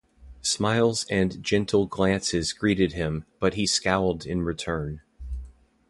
Smiles and gentle glances greeted him, but he scowled in return.